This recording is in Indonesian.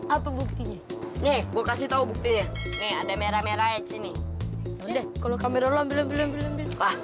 apa buktinya nih gue kasih tahu buktinya ada merah merahnya sini deh kalau kamera